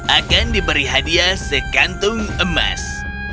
akan diberi hadiah sekantung emas